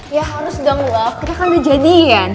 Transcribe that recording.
ya harus dong waktunya kan udah jadi kan